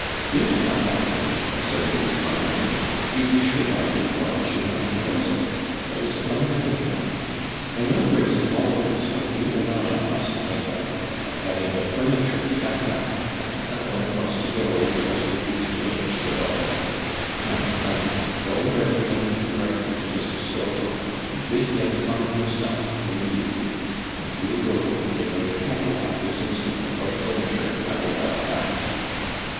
'If I like it!' said Lady Clonbrony; 'to be sure I do, or I should not propose it. What is Colambre thinking of? I know, Grace, at all events, what you and I must think of of having the furniture packed up, and settling what's to go, and what's to be exchanged, and all that. Now, my dear, go and write a note directly to Mr. Soho, and bid him come himself, immediately; and we'll go and make out a catalogue this instant of what furniture I will have packed.'